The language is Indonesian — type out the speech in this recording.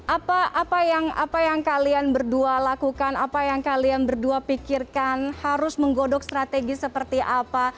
apa yang kalian berdua lakukan apa yang kalian berdua pikirkan harus menggodok strategi seperti apa